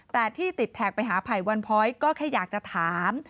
แต่ที่ติดแท็กไปหาไผ่วันพ้อยก็แค่อยากจะถาม